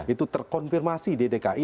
itu terkonfirmasi di dki